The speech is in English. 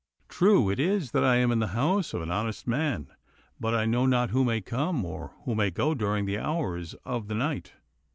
True it is that I am in the house of an honest man, but I know not who may come or who may go during the hours of the night.